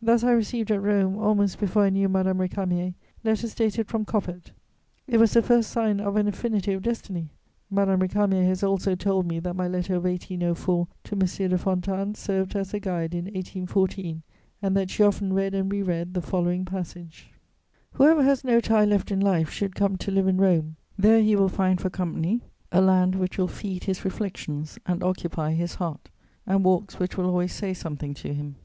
Thus I received at Rome, almost before I knew Madame Récamier, letters dated from Coppet; it was the first sign of an affinity of destiny. Madame Récamier has also told me that my Letter of 1804 to M. de Fontanes served her as a guide in 1814, and that she often read and re read the following passage: "Whosoever has no tie left in life should come to live in Rome. There he will find for company a land which will feed his reflections and occupy his heart, and walks which will always say something to him.